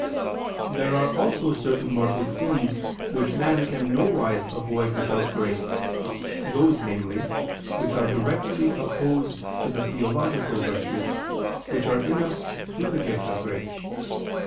There are also certain mortal sins which man can nowise avoid without grace, those, namely, which are directly opposed to the theological virtues, which are in us through the gift of grace.